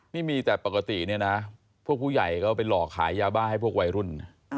นี่มีแต่ปกติเนี่ยนะพวกผู้ใหญ่ก็ไปหลอกขายยาบ้าให้พวกวัยรุ่น